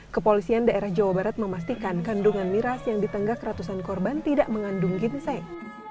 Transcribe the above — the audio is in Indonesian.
kepolisian daerah jawa barat memastikan kandungan miras yang ditenggak ratusan korban tidak mengandung ginseng